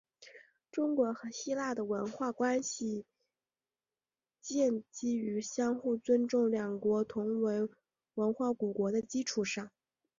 中国和希腊的文化关系建基于相互尊重两国同为文明古国的基础上。